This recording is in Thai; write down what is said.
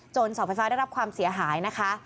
เสาไฟฟ้าได้รับความเสียหายนะคะ